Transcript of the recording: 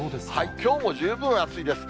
きょうも十分暑いです。